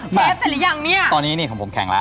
เชฟเสร็จรึยังตอนนี้ของผมแข็งแล้ว